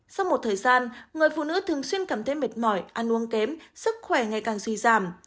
sau một thời gian người phụ nữ thường xuyên cảm thấy mệt mỏi ăn uống kém sức khỏe ngày càng suy giảm